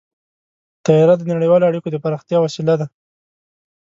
طیاره د نړیوالو اړیکو د پراختیا وسیله ده.